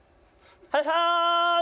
はいはい！」。